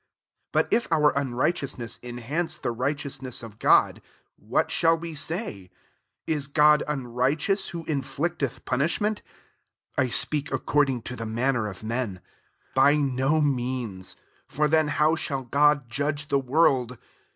5 But if our unrighteousness enhance the righteousness of God*' — ^*'What shall we say ? I» God unrighte ous who inflicteth punishment I (I speak according to the man ner of men.) 6 By no means ; for tiien how shall God judge the world."